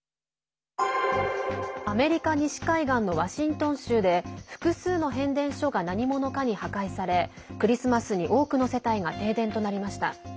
アメリカ西海岸のワシントン州で複数の変電所が何者かに破壊されクリスマスに多くの世帯が停電となりました。